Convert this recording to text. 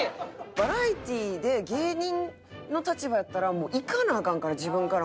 バラエティーで芸人の立場やったらいかなアカンから自分から。